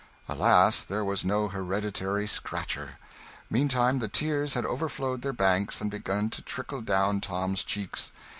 Alas! there was no Hereditary Scratcher. Meantime the tears had overflowed their banks, and begun to trickle down Tom's cheeks.